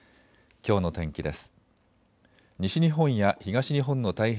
きょうの天気です。